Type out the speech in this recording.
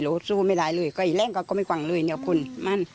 โหสู้ไม่ร้ายเลยก็เห็นก็ก็ไม่กว่างเลยต้องขึ้นมั่น